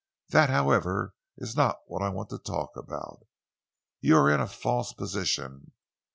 "That, however, is not what I want to talk about. You are in a false position.